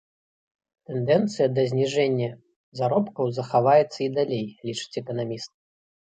Тэндэнцыя да зніжэння заробкаў захаваецца і далей, лічыць эканаміст.